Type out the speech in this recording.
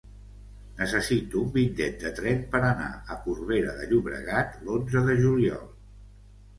Necessito un bitllet de tren per anar a Corbera de Llobregat l'onze de juliol.